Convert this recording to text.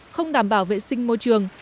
không đảm bảo vệ sinh môi trường